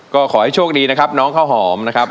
ก็ขอให้โชคดีนะครับน้องข้าวหอมนะครับ